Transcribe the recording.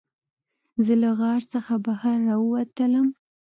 زه له غار څخه بهر راووتلم.